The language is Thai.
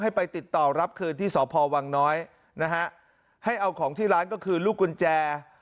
ไปติดต่อรับคืนที่สพวังน้อยนะฮะให้เอาของที่ร้านก็คือลูกกุญแจ